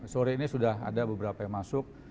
sore ini sudah ada beberapa yang masuk